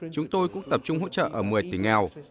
chúng tôi cũng tập trung hỗ trợ ở một mươi tỉnh nghèo